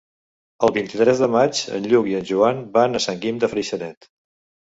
El vint-i-tres de maig en Lluc i en Joan van a Sant Guim de Freixenet.